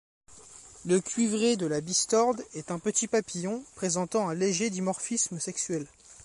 Le Cuivré de la bistorte est un petit papillon présentant un léger dimorphisme sexuel.